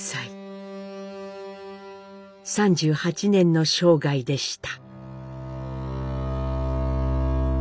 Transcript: ３８年の生涯でした。